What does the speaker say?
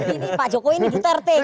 jadi pak jokowi ini duterte gitu